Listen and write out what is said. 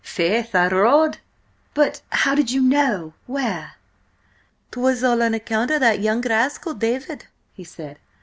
"Faith, I rode!" "But how did you know? Where—" "'Twas all on account of that young rascal David," he said.